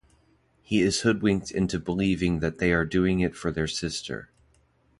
He is hoodwinked into believing that they are doing it for their sister.